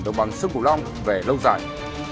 đồng bằng sông cửu long về lâu dài